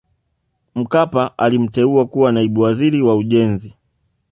Mkapa alimteua kuwa Naibu Waziri wa Ujenzi